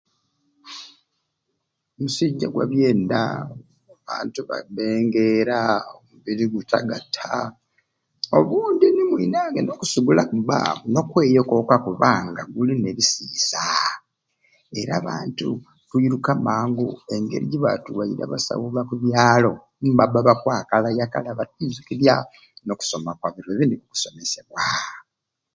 Musujja gwa mu byenda abantu babengeera mubiri gutagata obundi ni mwinange n'okusigula kubbaawo n'okweyokooka kubanga gulimu n'ebisiisaa era abantu twiruka mangu engeri gibatuwaire abasawu ba ku byalo nibabba nga bakwakalayakalya okutwizukirya n'okusoma kwa biro bini bisomesebwaa